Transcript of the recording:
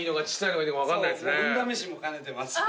運試しも兼ねてます。